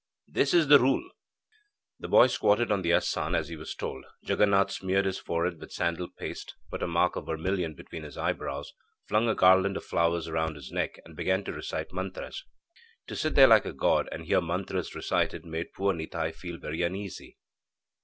'This is the rule.' The boy squatted on the assan as he was told. Jaganath smeared his forehead with sandal paste, put a mark of vermilion between his eyebrows, flung a garland of flowers round his neck, and began to recite mantras. Incantations. To sit there like a god, and hear mantras recited made poor Nitai feel very uneasy.